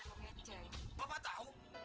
yang akan membantu